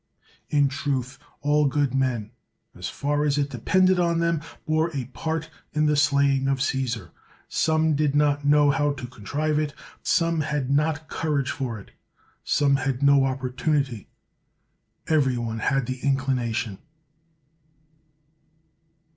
In truth, all good men, as far as it depended on them, bore a part in the slaying of Caesar. Some did not know how to contrive it, some had not courage for it, some had no opportunity, — every one had the inclination.